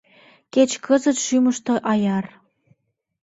Кеч кызыт шӱмыштӧ аяр